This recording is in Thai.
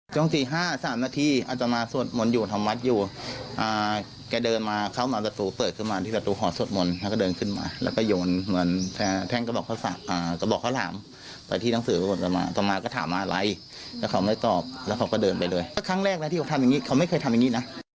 จองสี่ห้าสามนาทีอาจจะมาสวดมนต์อยู่ทำวัดอยู่เอ่อแกเดินมาเข้าหนังสัตว์เปิด